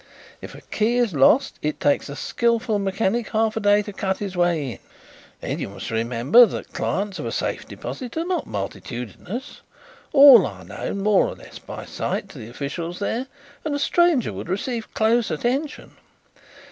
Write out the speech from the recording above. If a key is lost it takes a skilful mechanic half a day to cut his way in. Then you must remember that clients of a safe deposit are not multitudinous. All are known more or less by sight to the officials there, and a stranger would receive close attention.